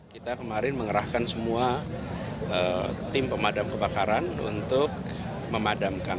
kita kemarin mengerahkan semua tim pemadam kebakaran untuk memadamkan